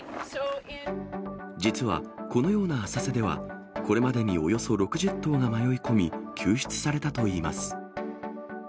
実は、このような浅瀬では、これまでにおよそ６０頭が迷い込み、救出されたといいます。